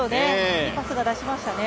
いいパスが出せましたね。